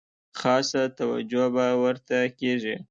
خاصه توجه به ورته کیږي.